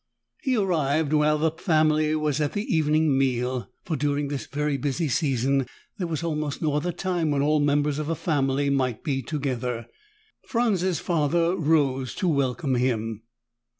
He arrived while the family was at the evening meal, for during this very busy season there was almost no other time when all members of a family might be together. Franz's father rose to welcome him.